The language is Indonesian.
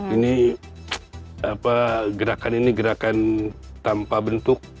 ini gerakan ini gerakan tanpa bentuk